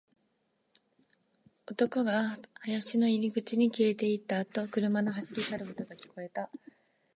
男が林の入り口に消えていったあと、車が走り去る音が聞こえた